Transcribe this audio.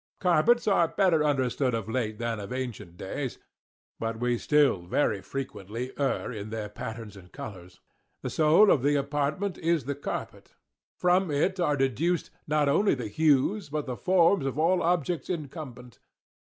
Carpets are better understood of late than of ancient days, but we still very frequently err in their patterns and colours. The soul of the apartment is the carpet. From it are deduced not only the hues but the forms of all objects incumbent.